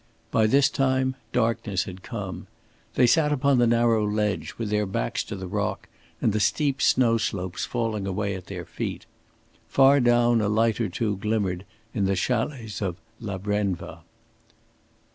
By this time darkness had come. They sat upon the narrow ledge with their backs to the rock and the steep snow slopes falling away at their feet. Far down a light or two glimmered in the chalets of La Brenva.